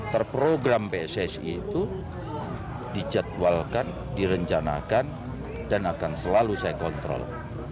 terprogram pssi itu dijadwalkan direncanakan dan akan selalu saya kontrol